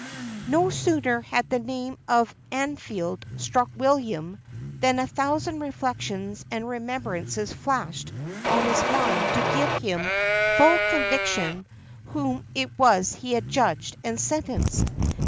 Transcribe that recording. No sooner had the name of "Anfield" struck William than a thousand reflections and remembrances flashed on his mind to give him full conviction whom it was he had judged and sentenced.